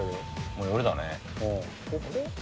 もう夜だね。